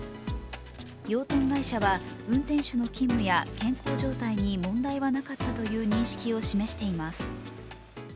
養豚会社は、運転手の勤務や健康状態に問題はなかったという認識を示しています。